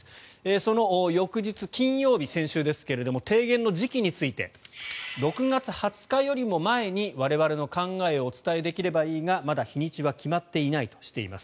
その翌日、先週の金曜日ですが提言の時期について６月２０日よりも前に我々の考えをお伝えできればいいがまだ日にちは決まっていないとしています。